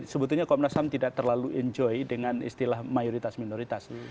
sebetulnya saya tidak terlalu enjoy dengan istilah mayoritas minoritas